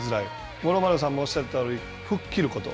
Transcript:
五郎丸さんもおっしゃったように吹っ切ること。